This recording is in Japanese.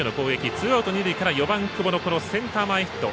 ツーアウト、二塁から４番久保のセンター前ヒット。